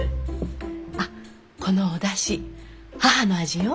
あっこのおだし母の味よ。